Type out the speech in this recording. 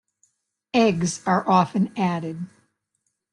Eggs are often added.